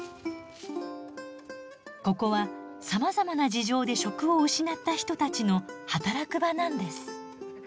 ここはさまざまな事情で職を失った人たちの働く場なんです。